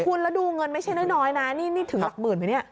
คุณแล้วดูเงินไม่ใช่น้อยนะนี่ถึงหลักหมื่นไหมเนี่ย